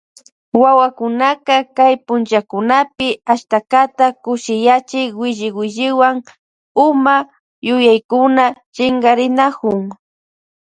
Wawakunaka kay punllakunapi ashtaka kushiyachiy williwilliwan huma yuyaykuna chinkarinakun.